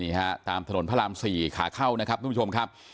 ฮะตามถนนพระราม๔ขาเข้านะครับทุกผู้ชมครับ